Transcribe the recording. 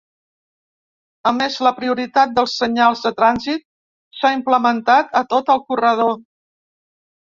A més, la prioritat dels senyals de trànsit s'ha implementat a tot el corredor.